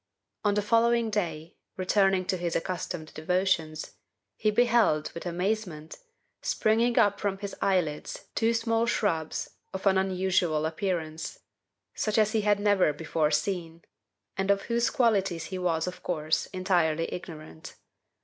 On the following day, returning to his accustomed devotions, he beheld, with amazement, springing up from his eyelids, two small shrubs of an unusual appearance, such as he had never before seen, and of whose qualities he was, of course, entirely ignorant.